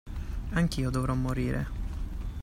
Anch’io dovrò morire.